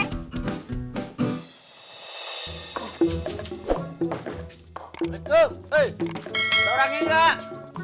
hei ada orang enggak